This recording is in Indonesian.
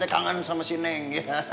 kangen sama si neng